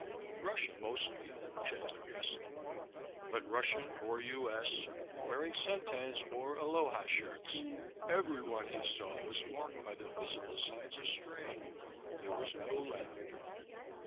Russian mostly, Chandler guessed; but Russian or U.S., wearing suntans or aloha shirts, everyone he saw was marked by the visible signs of strain. There was no laughter.